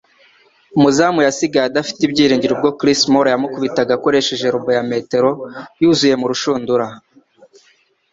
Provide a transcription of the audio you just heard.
Umuzamu yasigaye adafite ibyiringiro ubwo Chris Moore yamukubitaga akoresheje lob ya metero yuzuye mu rushundura.